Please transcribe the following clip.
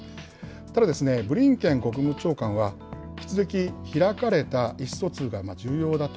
ただ、ブリンケン国務長官は、引き続き開かれた意思疎通が重要だと。